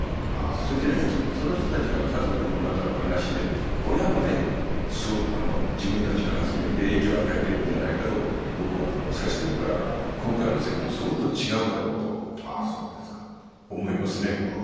そして、その人たちが家族の中の話で親まで、自分たちの発言で影響を与えてるんじゃないかと僕は思っているから今回の選挙、相当違うだろうと思いますね。